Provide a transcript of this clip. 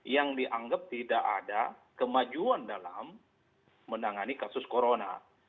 yang dianggap tidak ada kemajuan dalam menangani kasus corona